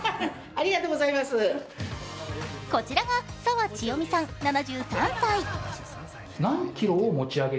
こちらが、澤千代美さん７３歳。